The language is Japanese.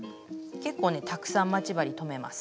結構ねたくさん待ち針留めます。